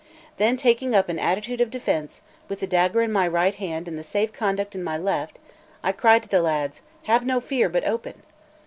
Then taking up an attitude of defence, with the dagger in my right hand and the safe conduct in my left, I cried to the lads: "Have no fear, but open!"